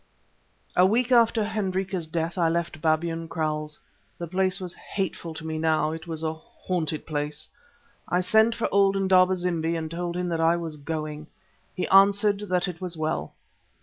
A week after Hendrika's death I left Babyan Kraals. The place was hateful to me now; it was a haunted place. I sent for old Indaba zimbi and told him that I was going. He answered that it was well.